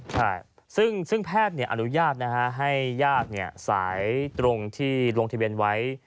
ใช่ซึ่งแพทย์อนุญาตให้ญาติสายตรงที่ลงทะเบียนไว้